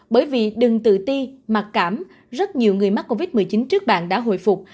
bởi vì đừng tự ti mặc cảm rất nhiều người mắc covid một mươi chín trước bạn đã hồi phục